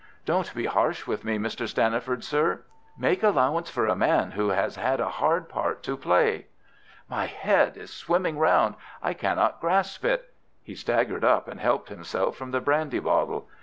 "Don't be harsh with me, Mr. Stanniford, sir! Make allowance for a man who has had a hard part to play." "My head is swimming round. I cannot grasp it!" He staggered up, and helped himself from the brandy bottle.